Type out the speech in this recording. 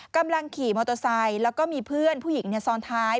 กำลังขี่มอเตอร์ไซค์แล้วก็มีเพื่อนผู้หญิงซ้อนท้าย